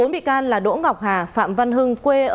bốn bị can là đỗ ngọc hà phạm văn hưng quê ở tỉnh con tô